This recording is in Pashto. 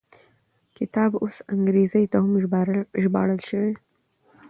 کتاب اوس انګریزي ته هم ژباړل شوی.